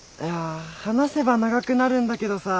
話せば長くなるんだけどさ。